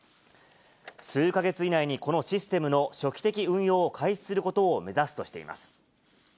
数か月以内にこのシステムの初期的運用を開始することを目指すとしています。